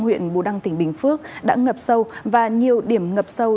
huyện bù đăng tỉnh bình phước đã ngập sâu và nhiều điểm ngập sâu